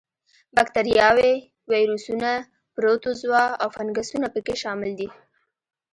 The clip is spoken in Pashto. با کتریاوې، ویروسونه، پروتوزوا او فنګسونه په کې شامل دي.